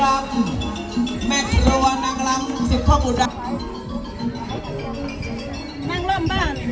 อาจารย์สะเทือนครูดีศิลปันติน